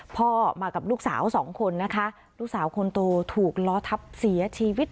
พ่อมากับลูกสาวสองคนนะคะลูกสาวคนโตถูกล้อทับเสียชีวิต